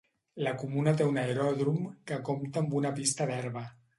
La comuna té un aeròdrom que compta amb una pista d'herba.